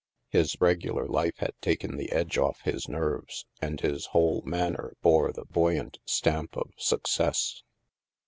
His regular life had taken the edge off his nerves, and his whole manner bore the buoyant stamp of success.